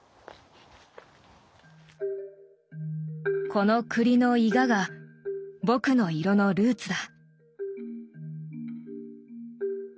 この栗のイガが僕の色のルーツだ。